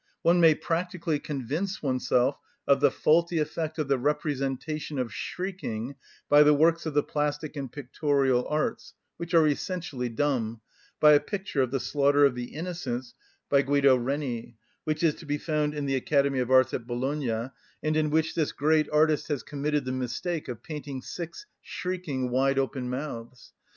One may practically convince oneself of the faulty effect of the representation of shrieking by the works of the plastic and pictorial arts, which are essentially dumb, by a picture of the slaughter of the innocents, by Guido Reni, which is to be found in the Academy of Arts at Bologna, and in which this great artist has committed the mistake of painting six shrieking wide‐open mouths.